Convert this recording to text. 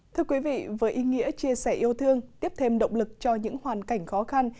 thưa quý vị với ý nghĩa chia sẻ yêu thương tiếp thêm động lực cho những hoàn cảnh khó khăn